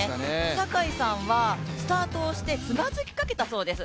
坂井さんはスタートをしてつまずきかけたそうです。